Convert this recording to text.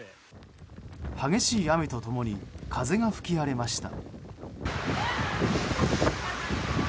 激しい雨と共に風が吹き荒れました。